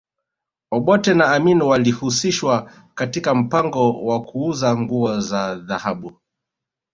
Obote na Amin walihusishwa katika mpango wa kuuza nguo za dhahabu